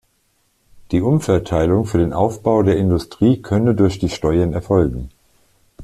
Die Umverteilung für den Aufbau der Industrie könne durch die Steuern erfolgen.